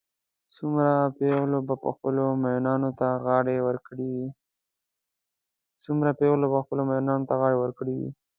څومره پېغلو به خپلو مئینانو ته غاړې ورکړې وي.